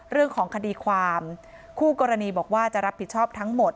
เรื่องของคดีความคู่กรณีบอกว่าจะรับผิดชอบทั้งหมด